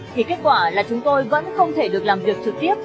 thì kết quả là chúng tôi vẫn không thể được làm việc trực tiếp